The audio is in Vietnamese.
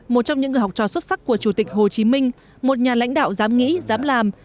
một trong những người học trò xuất sắc của chủ tịch hồ chí minh một nhà lãnh đạo dám nghĩ dám làm